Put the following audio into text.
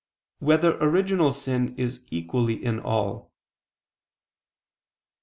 4] Whether Original Sin Is Equally in All?